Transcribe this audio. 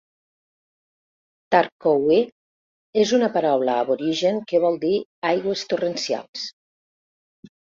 "Tarcowie" és una paraula aborigen que vol dir "aigües torrencials".